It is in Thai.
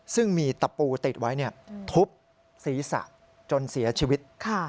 ซึ่งมีตะปูติดไว้ทุบศีรษะจนเสียชีวิต